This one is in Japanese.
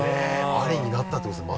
「あり」になったってことですよ